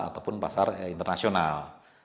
ataupun pasar internasional